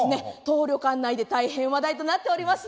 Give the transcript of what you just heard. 当旅館内で大変話題となっております。